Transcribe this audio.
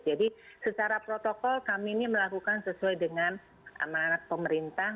jadi secara protokol kami ini melakukan sesuai dengan amanan pemerintah